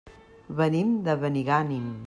Venim de Benigànim.